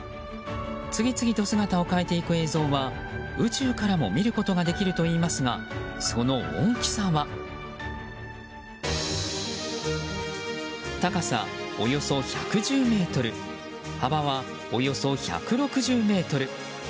次々と姿を変えていく映像は宇宙からも見ることができるといいますがその大きさは高さおよそ１１０ｍ幅は、およそ１６０ｍ。